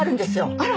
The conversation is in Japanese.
あら！